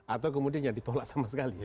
atau kemudian ya ditolak sama sekali